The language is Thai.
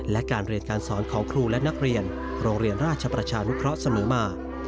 และการเรียนการสอนของครูและนักเรียนโรงเรียนราชประชานุเคราะห์เสมอมา